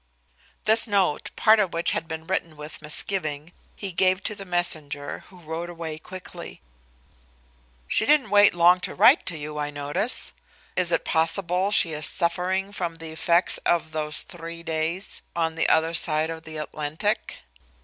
This note, part of which had been written with misgiving, he gave to the messenger, who rode away quickly. "She didn't wait long to write to you, I notice. Is it possible she is suffering from the effects of those three days on the other side of the Atlantic?